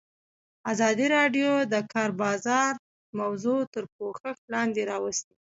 ازادي راډیو د د کار بازار موضوع تر پوښښ لاندې راوستې.